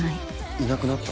いなくなった？